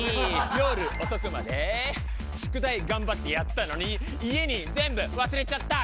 夜遅くまで宿題頑張ってやったのに家に全部忘れちゃった。